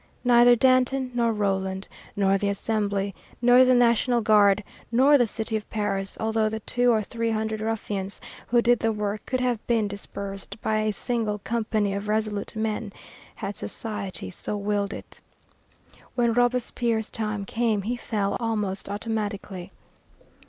Neither Danton, nor Roland, nor the Assembly, nor the National Guard, nor the City of Paris, although the two or three hundred ruffians who did the work could have been dispersed by a single company of resolute men, had society so willed it. When Robespierre's time came he fell almost automatically.